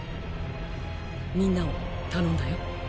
みんなを頼んだよ。